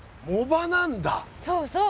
そうそう。